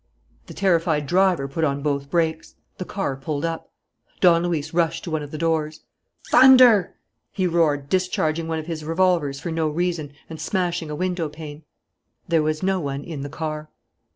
The terrified driver put on both brakes. The car pulled up. Don Luis rushed to one of the doors. "Thunder!" he roared, discharging one of his revolvers for no reason and smashing a window pane. There was no one in the car.